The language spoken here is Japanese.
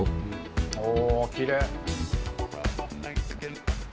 おおきれい。